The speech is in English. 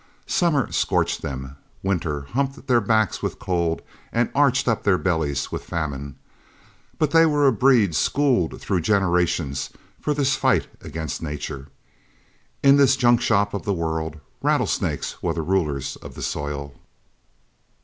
Summer scorched them, winter humped their backs with cold and arched up their bellies with famine, but they were a breed schooled through generations for this fight against nature. In this junk shop of the world, rattlesnakes were rulers of the soil.